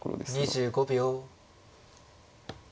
２５秒。